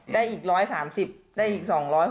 ได้อีก๑๓๐ได้อีก๒๖๐